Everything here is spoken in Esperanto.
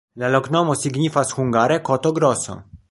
La loknomo signifas hungare koto-groso.